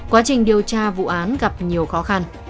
quá trình điều tra vụ hành vi của cao tài năng